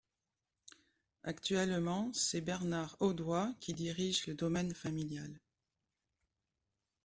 Actuellement, c'est Bernard Audoy, qui dirige le domaine familial.